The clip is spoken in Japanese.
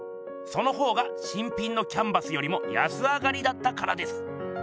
その方が新品のキャンバスよりも安上がりだったからです。